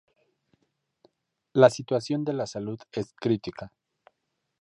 La situación de la salud es crítica.